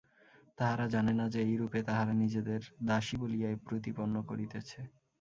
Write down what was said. তাহারা জানে না যে, এইরূপে তাহারা নিজেদের দাসী বলিয়াই প্রতিপন্ন করিতেছে।